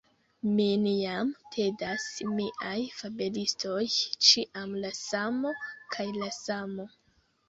Min jam tedas miaj fabelistoj, ĉiam la samo kaj la samo.